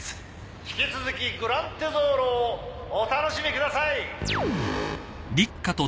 引き続きグラン・テゾーロをお楽しみください。